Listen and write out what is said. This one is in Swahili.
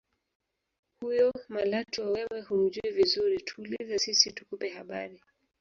Huyo Malatwe wewe humjui vizuri tuulize sisi tukupe habari